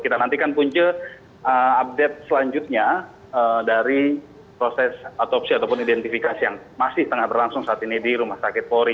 kita nantikan punca update selanjutnya dari proses otopsi ataupun identifikasi yang masih tengah berlangsung saat ini di rumah sakit polri